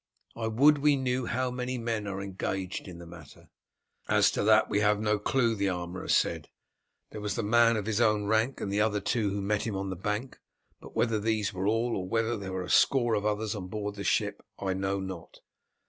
I would we knew how many men are engaged in the matter." "As to that we have no clue," the armourer said. "There was the man of his own rank and the other two who met him on the bank, but whether these were all, or whether there were a score of others on board the ship, I know not.